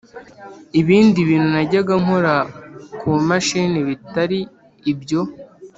ibindi bintu najya nkora ku mashini bitari ibyo